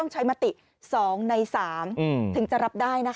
ใช่ค่ะ